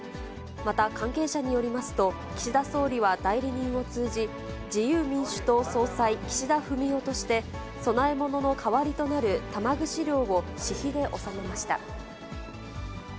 また、関係者によりますと、岸田総理は代理人を通じ、自由民主党総裁岸田文雄として、供え物の代わりとなる玉串料を私費で納めました。